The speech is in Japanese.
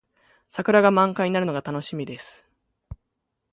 桜が満開になるのが楽しみです。